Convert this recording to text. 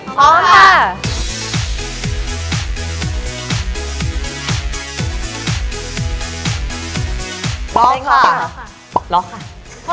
พร้อมค่ะ